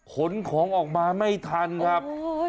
ขนของออกมาไม่ทันครับ